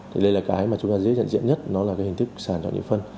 thì đây là cái mà chúng ta dễ dàng diện nhất nó là cái hình thức sàn chọn như phân